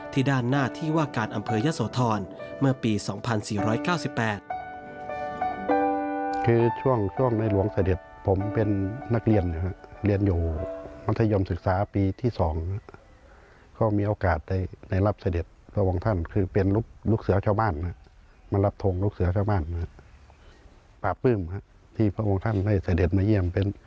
ด้านหน้าที่ว่าการอำเภอยะโสธรเมื่อปี๒๔๙๘